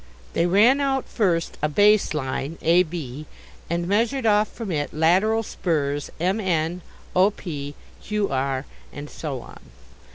They ran out, first, a base line AB, and measured off from it lateral spurs MN, OP, QR, and so on.